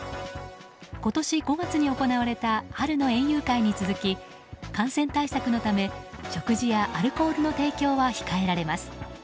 今年５月に行われた春の園遊会に続き感染対策のため食事やアルコールの提供は控えられます。